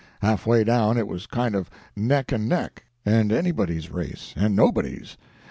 Half way down, it was kind of neck and neck, and anybody's race and nobody's.